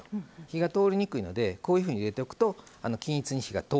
火が通りにくいのでこういうふうに入れておくと均一に火が通ります。